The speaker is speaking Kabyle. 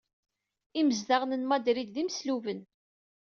Imezdaɣen n Madrid d imesluben.